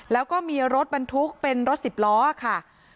แล้วก็มีรถบรรทุกเป็นรถสิบล้อค่ะ